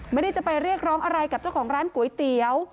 ไม่ได้จะไปเรียกร้องอะไรกับเจ้าของร้านก๋วยเตี๋ยว